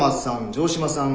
城島さん